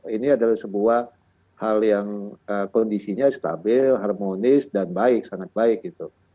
ini adalah sebuah hal yang kondisinya stabil harmonis dan baik sangat baik gitu